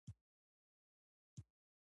هغې په ژړا خدای پاماني وکړه ځکه پوهېده